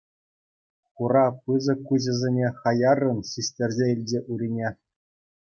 Хура пысӑк куҫӗсене хаяррӑн ҫиҫтерсе илчӗ Урине.